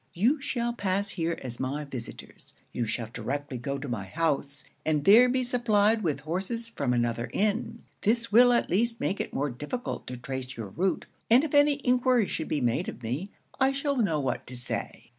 You shall pass here as my visitors. You shall directly go to my house, and there be supplied with horses from another inn. This will at least make it more difficult to trace your route; and if any enquiry should be made of me, I shall know what to say.'